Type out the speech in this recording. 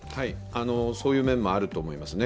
そういう面もあると思いますね。